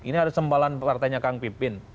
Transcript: ini harus sembalan partainya kang pipin